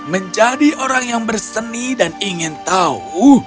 menjadi orang yang berseni dan ingin tahu